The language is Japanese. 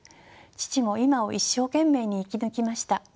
父も今を一生懸命に生き抜きました。